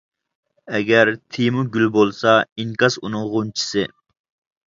ئەگەر تېما گۈل بولسا، ئىنكاس ئۇنىڭ غۇنچىسى.